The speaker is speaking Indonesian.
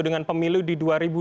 dengan pemilu di dua ribu dua puluh